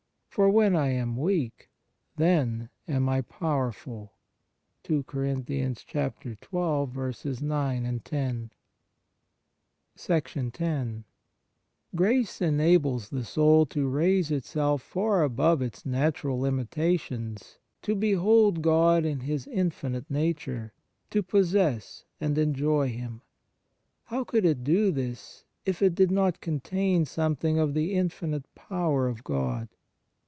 for when I am weak then am I powerful." 2 1 John x. 34. 2 2 Cor. xii. 9, 10. ON THE NATURE OF GRACE RACE enables the soul to raise itself Vjrfar above its natural limitations, to behold God in His infinite nature, to possess and enjoy Him. How could it do this if it did not contain something of the infinite power of God